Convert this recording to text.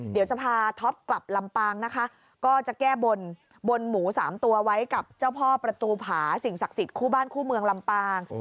เดี๋ยวจะพาท็อปกลับลำปางนะคะก็จะแก้บนบนหมูสามตัวไว้กับเจ้าพ่อประตูผาสิ่งศักดิ์สิทธิ์คู่บ้านคู่เมืองลำปาง